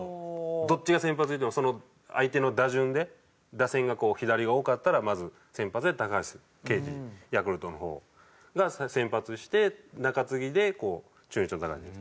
どっちが先発でいってもその相手の打順で打線が左が多かったらまず先発で高橋奎二ヤクルトの方が先発して中継ぎで中日の橋選手。